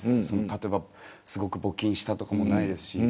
例えば、すごく募金したとかもないですし。